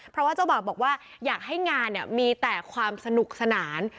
เพราะว่าเจ้าบ่าวบอกว่าอยากให้งานมีแต่ความสนุกสนาน